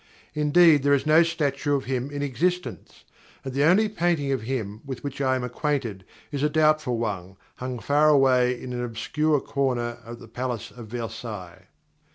Indeed, there is no statue of him in existence; and the only painting of him with which I am acquainted is a doubtful one hung far away in an obscure corner of the palace of Versailles.